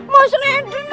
mas randy kakinya keluar